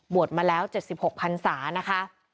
บวชมาแล้ว๗๖๐๐๐สาว